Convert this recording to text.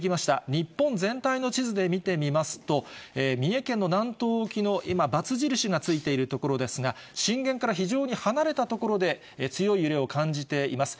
日本全体の地図で見てみますと、三重県の南東沖の今、×印がついているところですが、震源から非常に離れた所で、強い揺れを感じています。